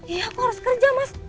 iya aku harus kerja mas